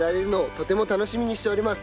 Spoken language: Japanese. とても楽しみにしております。